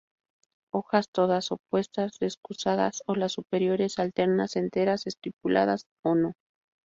Hojas todas opuestas –decusadas– o las superiores alternas, enteras, estipuladas o no.